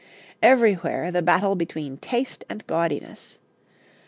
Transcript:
Everywhere the battle between taste and gaudiness.